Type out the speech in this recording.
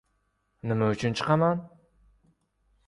— Nima uchun chiqaman?